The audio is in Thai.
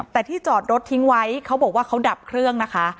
แต่ที่จอดรถทิ้งไว้เขาบอกว่าเขาดับเครื่องนะคะ